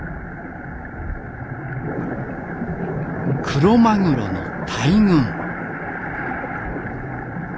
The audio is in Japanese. クロマグロの大群。